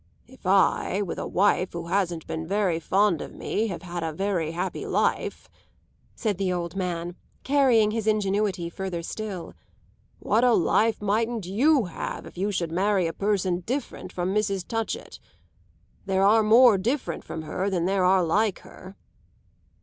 "If I, with a wife who hasn't been very fond of me, have had a very happy life," said the old man, carrying his ingenuity further still, "what a life mightn't you have if you should marry a person different from Mrs. Touchett. There are more different from her than there are like her."